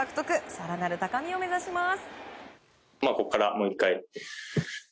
更なる高みを目指します。